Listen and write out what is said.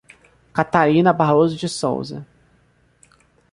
Catarina Barroso de Souza